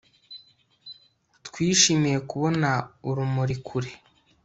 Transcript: twishimiye kubona urumuri kure